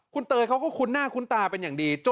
คุณเตยเขาก็คุ้นหน้าคุ้นตาเป็นอย่างดี